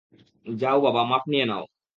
যাও বাবা মাপ নিয়ে নাও।